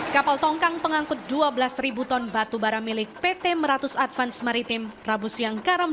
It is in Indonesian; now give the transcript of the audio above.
kapal tongkang pengangkut dua belas ton batubara milik pt meratus advance maritim rabu siang karam